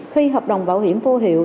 khi hợp đồng bảo hiểm vô hiệu